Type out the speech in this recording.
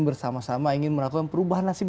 bersama sama ingin melakukan perubahan nasib